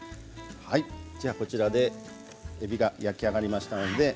こちらでえびが焼き上がりました。